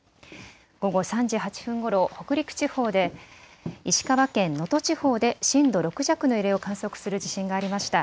午後３時８分ごろ北陸地方で、石川県能登地方で震度６弱の揺れを観測する地震がありました。